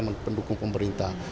yang pendukung pemerintah